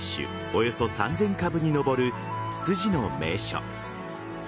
およそ３０００株に上るツツジの名所。